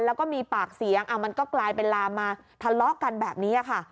แล้วก็มีปากเสียงมันก็กลายเป็นลามมาทะเลาะกันแบบนี้ค่ะ